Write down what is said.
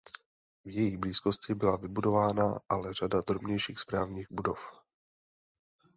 V její blízkosti byla vybudována ale řada drobnějších správních budov.